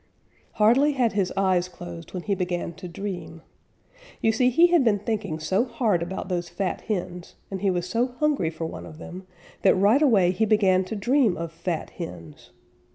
Hardly had his eyes closed when he began to dream. You see, he had been thinking so hard about those fat hens, and he was so hungry for one of them, that right away he began to dream of fat hens.